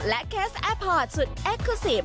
และเคสแอร์พอร์ตสุดเอกกรุสิฟท์